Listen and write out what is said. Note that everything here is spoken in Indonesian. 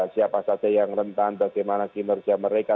siapa saja yang rentan bagaimana kinerja mereka